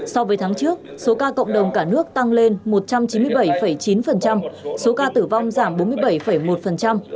so với tháng trước số ca cộng đồng cả nước tăng lên một trăm chín mươi bảy chín số ca tử vong giảm bốn mươi bảy một